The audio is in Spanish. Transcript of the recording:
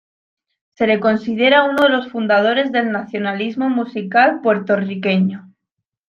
Se le considera uno de los fundadores del nacionalismo musical puertorriqueño.